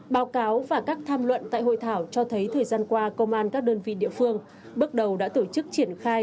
báo cáo và các tham luận tại hội thảo cho thấy thời gian qua công an các đơn vị địa phương bước đầu đã tổ chức triển khai